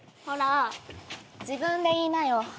ほら自分で言いなよ。